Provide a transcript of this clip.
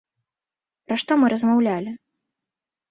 Пра што мы размаўлялі?